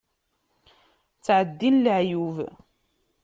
Ttεeddin leεyub.